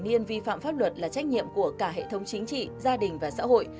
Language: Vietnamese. thiên vi phạm pháp luật là trách nhiệm của cả hệ thống chính trị gia đình và xã hội